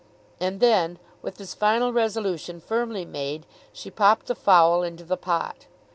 And then, with this final resolution firmly made, she popped the fowl into the pot.